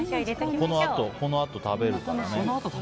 このあと食べるからね。